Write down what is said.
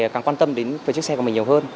càng quan tâm đến với chiếc xe của mình nhiều hơn